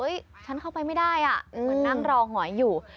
ฉันเข้าไปไม่ได้อ่ะเหมือนนั่งรอหอยอยู่